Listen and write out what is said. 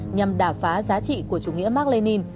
nhằm đả phá giá trị của chủ nghĩa mạc lên